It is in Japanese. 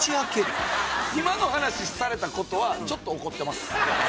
今の話された事はちょっと怒ってます。